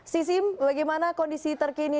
sisim bagaimana kondisi terkini